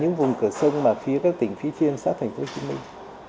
những cái vùng cửa sông mà phía các tỉnh phía trên xác thành phố hồ chí minh